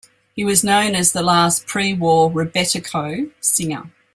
He was known as the last pre-war "rebetiko" singer.